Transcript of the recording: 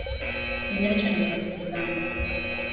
Niliachwa na marafiki zangu.